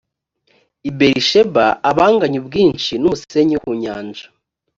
i berisheba a banganye ubwinshi n umusenyi wo ku nyanja